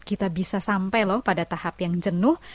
kita bisa sampai loh pada tahap yang jenuh